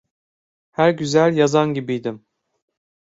Her güzel yazan gibiydim.